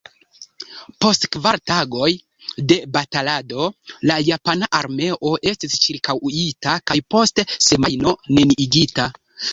Post kvar tagoj de batalado la japana armeo estis ĉirkaŭita kaj post semajno neniigita.